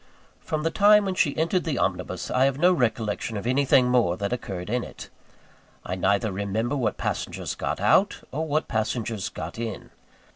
From the time when she entered the omnibus, I have no recollection of anything more that occurred in it. I neither remember what passengers got out, or what passengers got in.